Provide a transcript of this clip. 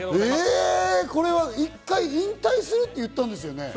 一回引退するって言ったんですよね？